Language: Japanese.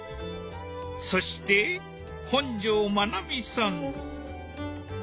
そして本上まなみさん。